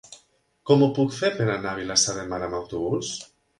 Com ho puc fer per anar a Vilassar de Mar amb autobús?